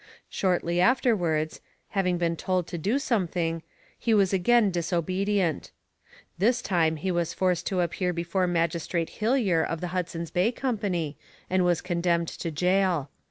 Shortly afterwards, having been told to do something, he was again disobedient. This time he was forced to appear before Magistrate Hillier of the Hudson's Bay Company and was condemned to gaol.